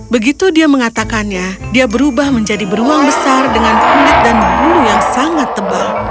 begitu dia mengatakannya dia berubah menjadi beruang besar dengan kulit dan bulu yang sangat tebal